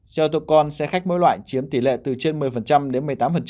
xe ô tô con xe khách mỗi loại chiếm tỷ lệ từ trên một mươi đến một mươi tám